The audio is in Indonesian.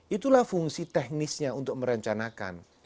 itulah fungsi teknisnya untuk merencanakan